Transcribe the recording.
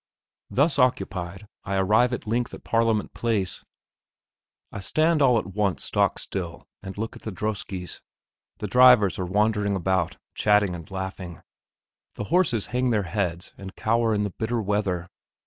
Thus occupied, I arrive at length at Parliament Place. I stand all at once stock still, and look at the droskes; the drivers are wandering about, chatting and laughing. The horses hang their heads and cower in the bitter weather.